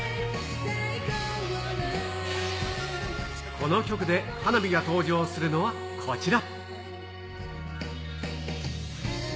この曲で花火が登場するのはこちら。